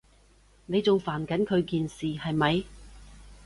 你仲煩緊佢件事，係咪？